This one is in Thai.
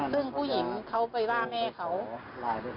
ซึ่งผู้หญิงเขาไปว่าแม่เขา